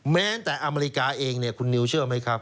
แม้แต่อเมริกาเองเนี่ยคุณนิวเชื่อไหมครับ